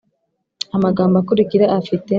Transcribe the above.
Amagambo akurikira afite